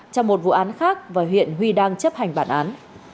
trong một vụ án khác và hiện huy đang chấp hành bản án